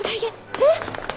えっ⁉